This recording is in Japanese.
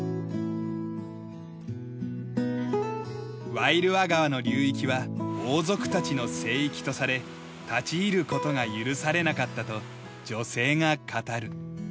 ワイルア川の流域は王族たちの聖域とされ立ち入る事が許されなかったと女性が語る。